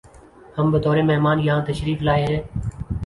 ہم بطور مہمان یہاں تشریف لائے ہیں